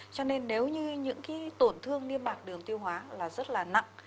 cho nên nếu như những cái tổn thương liên mạc đường tiêu hóa là rất là nặng